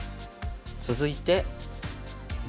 続いてＢ。